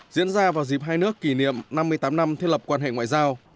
diễn ra vào dịp hai nước kỷ niệm năm mươi tám năm thiết lập quan hệ ngoại giao